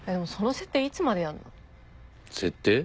設定？